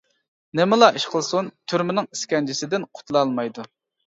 نېمىلا ئىش قىلسۇن، تۈرمىنىڭ ئىسكەنجىسىدىن قۇتۇلالمايدۇ.